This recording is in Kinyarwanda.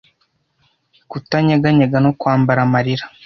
kutanyeganyega no kwambara amarira